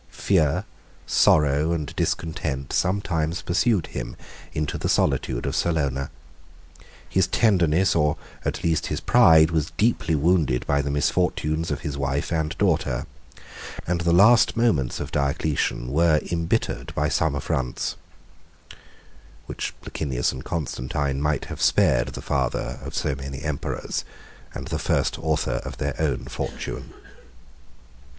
Fear, sorrow, and discontent, sometimes pursued him into the solitude of Salona. His tenderness, or at least his pride, was deeply wounded by the misfortunes of his wife and daughter; and the last moments of Diocletian were imbittered by some affronts, which Licinius and Constantine might have spared the father of so many emperors, and the first author of their own fortune.